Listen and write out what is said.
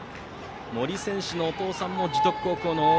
森選手のお父さんも樹徳高校のＯＢ。